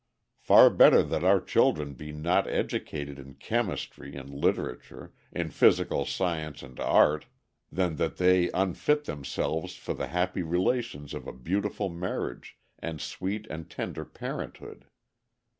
Far better that our children be not educated in chemistry, and literature, in physical science and art, than that they unfit themselves for the happy relations of a beautiful marriage and sweet and tender parenthood.